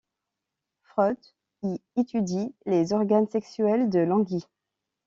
Freud y étudie les organes sexuels de l'anguille.